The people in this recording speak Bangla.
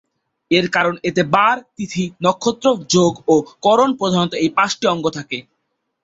এর কারণ এতে বার, তিথি, নক্ষত্র, যোগ ও করণ প্রধানত এই পাঁচটি অঙ্গ থাকে।